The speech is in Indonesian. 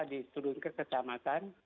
maka diturunkan ke kecamatan